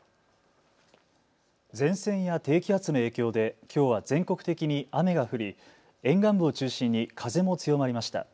前線や低気圧の影響できょうは全国的に雨が降り沿岸部を中心に風も強まりました。